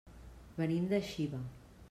Venim de Xiva.